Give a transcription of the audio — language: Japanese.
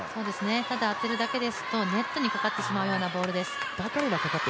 ただ当てるだけですとネットにかかってしまうようなボールです。